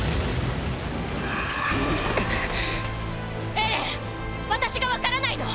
エレン私が分からないの⁉